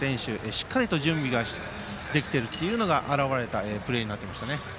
しっかりと準備ができているというのが表れたプレーになっていましたね。